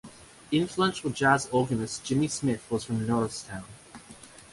Influential jazz organist Jimmy Smith was from Norristown.